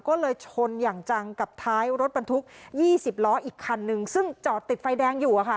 ก็เลยชนอย่างจังกับท้ายรถบรรทุก๒๐ล้ออีกคันนึงซึ่งจอดติดไฟแดงอยู่